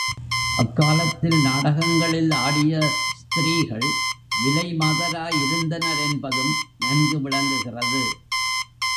அக் காலத்தில் நாடகங்களில் ஆடிய ஸ்திரீகள் விலைமாதராயிருந்தனரென்பதும் நன்கு விளங்குகிறது.